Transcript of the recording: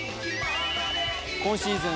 今シーズン